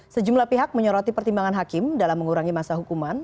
sejumlah pihak menyoroti pertimbangan hakim dalam mengurangi masa hukuman